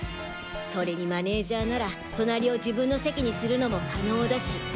それにマネージャーなら隣を自分の席にするのも可能だし。